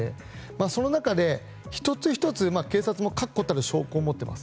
その中で、１つ１つに警察も確固たる証拠を持っています。